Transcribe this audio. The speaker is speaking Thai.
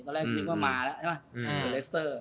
ตอนแรกนึงก็มาแล้ว